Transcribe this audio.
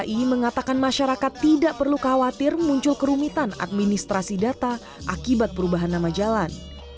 kay mengatakan masyarakat tidak perlu khawatir muncul kerumitan administrasi data akibat perubahan nama jalan